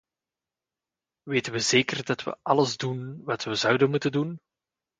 Weten we zeker dat we alles doen wat we zouden moeten doen?